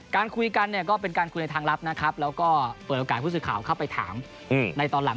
การคุยกันเนี่ยก็เป็นการคุยในทางลับนะครับแล้วก็เปิดโอกาสผู้สื่อข่าวเข้าไปถามในตอนหลัง